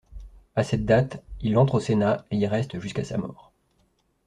À cette date, il entre au Sénat et y reste jusqu'à sa mort.